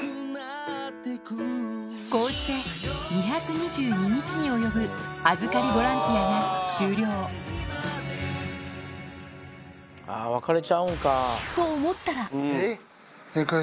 こうして２２２日に及ぶ預かりボランティアが終了。と思ったら。